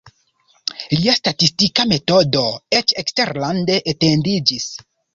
Lia statistika metodo eĉ eksterlande etendiĝis.